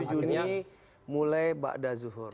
dua puluh tujuh juni mulai ba'adah zuhur